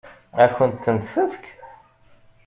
Ad kent-tent-tefk?